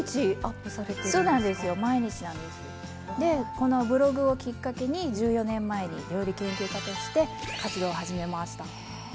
このブログをきっかけに１４年前に料理研究家として活動を始めました。